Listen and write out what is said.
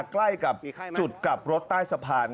ใกล้กับจุดกลับรถใต้สะพาน